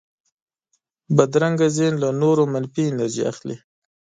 بدرنګه ذهن له نورو منفي انرژي اخلي